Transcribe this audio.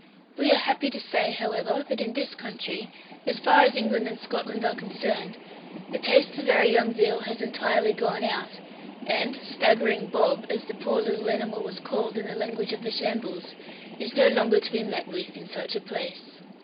We are happy to say, however, that in this country, as far as England and Scotland are concerned, the taste for very young veal has entirely gone out, and "Staggering Bob," as the poor little animal was called in the language of the shambles, is no longer to be met with in such a place.